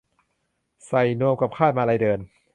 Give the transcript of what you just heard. ใส่นวมกับคาดมาลัยเดิน